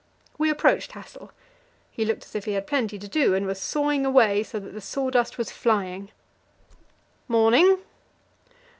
We approached Hassel. He looked as if he had plenty to do, and was sawing away so that the sawdust was flying. "'Morning."